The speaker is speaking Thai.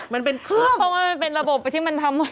มันเป็นเครื่องมันเป็นระบบที่มันทำ